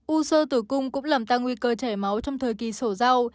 u sơ tử cung cũng làm tăng nguy cơ chảy máu trong thời kỳ sổ rau